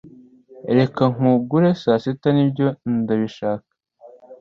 Reka nkugure saa sita Nibyo Ndabishaka